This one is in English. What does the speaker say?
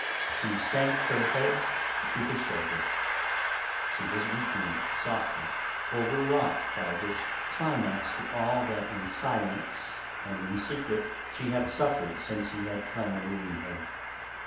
She sank her head to his shoulder. She was weeping softly, overwrought by this climax to all that in silence and in secret she had suffered since he had come a wooing her.